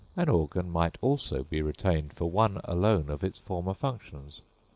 An organ might, also, be retained for one alone of its former functions.